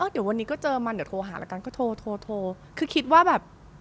เดี๋ยววันนี้ก็เจอมันเดี๋ยวโทรหาแล้วกันก็โทรโทรคือคิดว่าแบบ